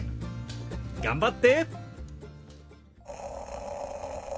頑張って！